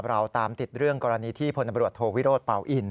เราตามติดเรื่องกรณีที่พลตำรวจโทวิโรธเป่าอิน